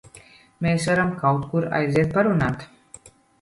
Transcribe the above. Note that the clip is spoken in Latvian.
Mēs varam kaut kur aiziet parunāt?